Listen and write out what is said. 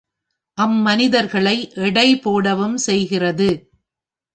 அம்மனிதர்ளை எடை போடவும் செய்கிறது.